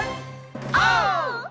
オー！